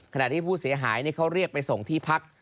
ขณะที่ผู้เสียหายเขาเรียกไปส่งที่พัก